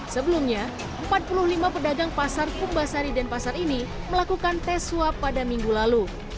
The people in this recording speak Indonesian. sebelumnya empat puluh lima pedagang pasar pumbasari denpasar ini melakukan tes swab pada minggu lalu